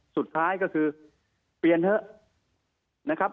สุดท้ายก็คือเปลี่ยนเถอะนะครับ